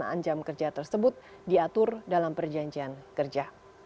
pelaksana jam kerja tersebut diatur dalam perjanjian kerja